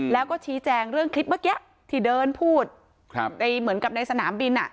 แล้วก็ชี้แจงเรื่องคลิปเมื่อกี้ที่เดินพูดในเหมือนกับในสนามบิน